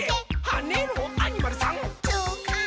はねろアニマルさん！」